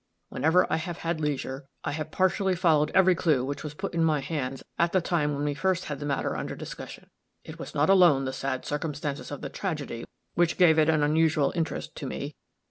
Whenever I have had leisure, I have partially followed every clue which was put in my hands at the time when we first had the matter under discussion. It was not alone the sad circumstances of the tragedy which gave it unusual interest to me.